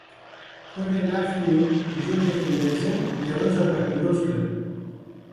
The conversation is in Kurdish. Kurdên Efrînê bi coşeke mezin Newroza xwe pîroz kirin.